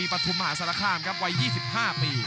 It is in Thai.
กรุงฝาพัดจินด้า